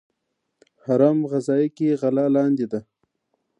هرم غذایی کې غله لاندې ده.